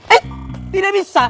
eh tidak bisa